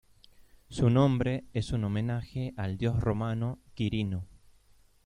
Su nombre es un homenaje al dios romano Quirino.